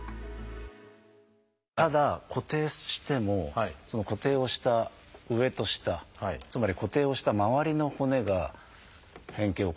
ただ固定してもその固定をした上と下つまり固定をした周りの骨が変形を起こしてしまうと。